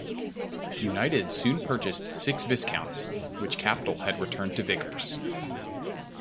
United soon purchased six Viscounts which Capital had returned to Vickers.